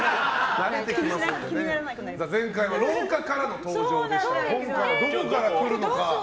前回は廊下からの登場でしたが今回はどこから来るのか。